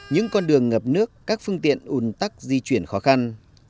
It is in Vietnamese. những con đường ngập nước các phương tiện ủn tắc di chuyển khó khăn